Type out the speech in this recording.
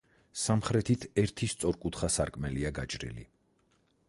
სამხრეთით ერთი სწორკუთხა სარკმელია გაჭრილი.